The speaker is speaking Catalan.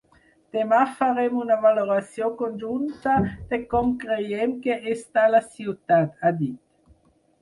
Demà farem una valoració conjunta de com creiem que està la ciutat, ha dit.